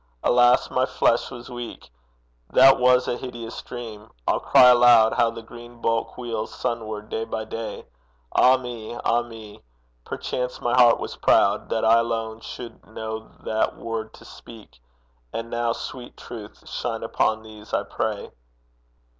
Alas, my flesh was weak; That was a hideous dream! I'll cry aloud How the green bulk wheels sunward day by day! Ah me! ah me! perchance my heart was proud That I alone should know that word to speak; And now, sweet Truth, shine upon these, I pray.'